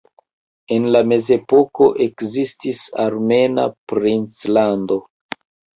En la mezepoko ekzistis armena princlando.